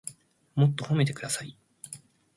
もっと褒めてください